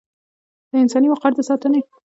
د انساني وقار د ساتنې